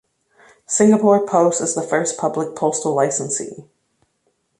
Singapore Post is the first Public Postal Licensee.